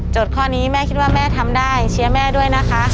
ข้อนี้แม่คิดว่าแม่ทำได้เชียร์แม่ด้วยนะคะ